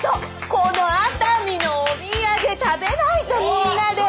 この熱海のお土産食べないとみんなで。